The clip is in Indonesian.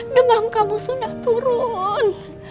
demam kamu sudah turun